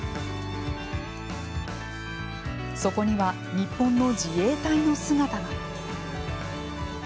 そこには、日本の自衛隊の姿が。